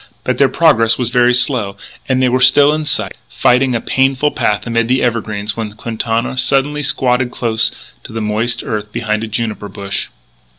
But their progress was very slow; and they were still in sight, fighting a painful path amid the evergreens, when Quintana suddenly squatted close to the moist earth behind a juniper bush.